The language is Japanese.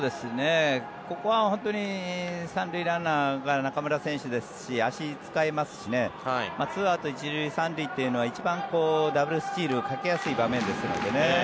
ここは本当に３塁ランナーが中村選手ですし足を使えますし２アウト１塁３塁というのは一番ダブルスチールをかけやすい場面ですのでね。